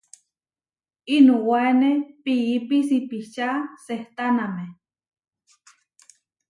Inuwáene piípi sipičá sehtáname.